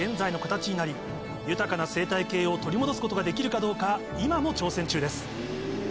豊かな生態系を取り戻すことができるかどうか今も挑戦中です。